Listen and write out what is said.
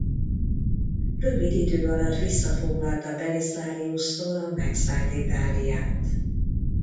Rövid idő alatt visszafoglalta Belisariustól a megszállt Itáliát.